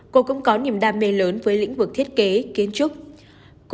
cô cũng có niềm đam mê lớn với lĩnh vực thiết kế kiến trúc